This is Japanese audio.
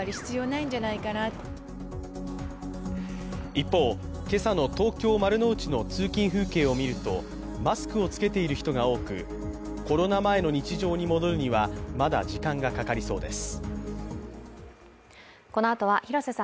一方、東京・丸の内の通勤風景を見るとマスクを着けている人が多く、コロナ前の日常に戻るにはまだ時間がかかりそうです。